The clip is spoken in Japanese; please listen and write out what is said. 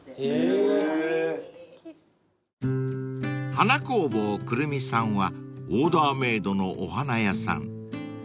［花工房胡桃さんはオーダーメードのお花屋さん］